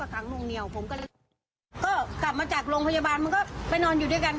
ก็กลับมาจากโรงพยาบาลมันก็ไปนอนอยู่ด้วยกันค่ะ